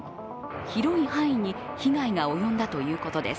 広い範囲に被害が及んだということです。